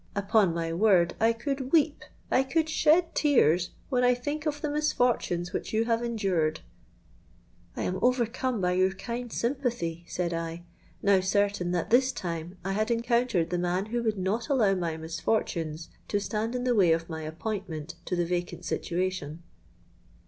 Upon my word, I could weep, I could shed tears, when I think of the misfortunes which you have endured.'—'I am overcome by your kind sympathy,' said I, now certain that this time I had encountered the man who would not allow my misfortunes to stand in the way of my appointment to the vacant situation.